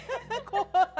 怖い。